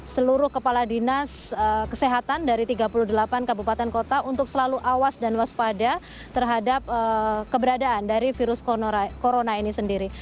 seluruh kepala dinas kesehatan dari tiga puluh delapan kabupaten kota untuk selalu awas dan waspada terhadap keberadaan dari virus corona ini sendiri